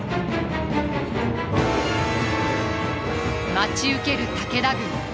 待ち受ける武田軍。